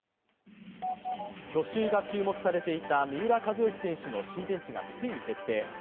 去就が注目されていた三浦知良選手の新天地がついに決定。